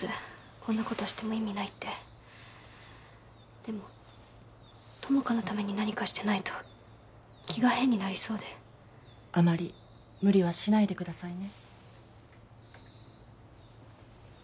こんなことしても意味ないってでも友果のために何かしてないと気が変になりそうであまり無理はしないでくださいね